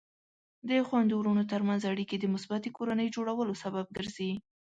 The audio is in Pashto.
د خویندو ورونو ترمنځ اړیکې د مثبتې کورنۍ جوړولو سبب ګرځي.